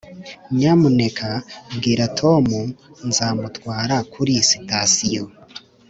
nyamuneka bwira tom nzamutwara kuri sitasiyo.